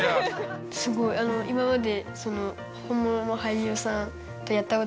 すごいあの今まで。